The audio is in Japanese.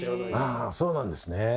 あそうなんですね。